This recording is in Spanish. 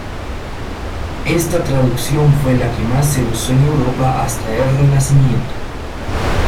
Esta traducción fue la que más se usó en Europa hasta el Renacimiento.